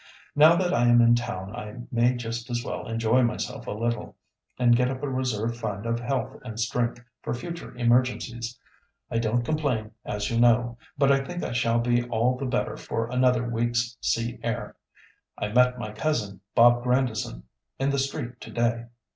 "Now that I am in town I may just as well enjoy myself a little, and get up a reserve fund of health and strength for future emergencies. I don't complain, as you know, but I think I shall be all the better for another week's sea air. I met my cousin, Bob Grandison, in the street to day.